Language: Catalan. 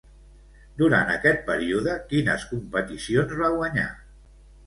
Durant aquest període, quines competicions va guanyar?